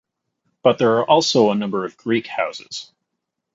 But there are also a number of "Greek" houses.